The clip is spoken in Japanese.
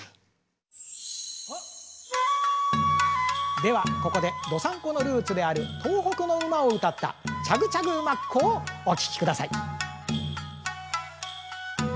ではここでどさんこのルーツである東北の馬をうたった「チャグチャグ馬コ」をお聴き下さい。